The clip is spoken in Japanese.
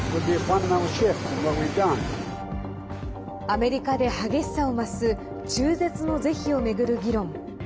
アメリカで激しさを増す中絶の是非を巡る議論。